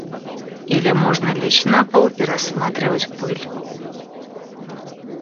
Или можно лечь на пол и рассматривать пыль.